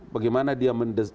bagaimana dia mendirikan